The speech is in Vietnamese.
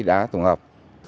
đã tổng hợp